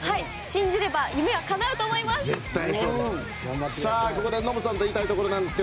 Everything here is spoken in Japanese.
信じれば夢はかなうと思います！